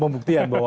pembuktian begitu ya